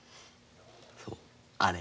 そうあれ。